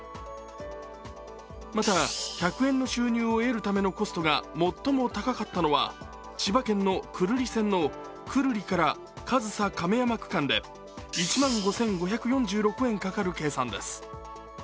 また、１００円の収入を得るためのコストが最も高かったのは千葉県の久留里線の久留里から上総亀山区間で１万５５４６円かかる計算です。